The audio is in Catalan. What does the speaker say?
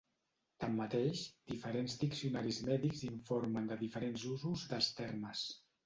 Tanmateix, diferents diccionaris mèdics informen de diferents usos dels termes.